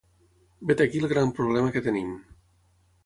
Vet ací el gran problema que tenim.